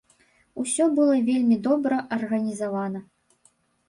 Усё было вельмі добра арганізавана.